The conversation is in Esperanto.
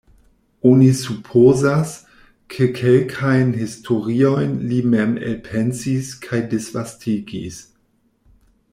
Oni supozas, ke kelkajn historiojn li mem elpensis kaj disvastigis.